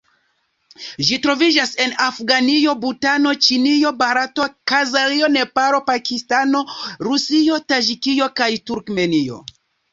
Ĝi troviĝas en Afganio, Butano, Ĉinio, Barato, Kazaĥio, Nepalo, Pakistano, Rusio, Taĝikio kaj Turkmenio.